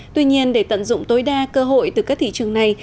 tuy nhiên để tận dụng tối đa cơ hội từ các thị trường này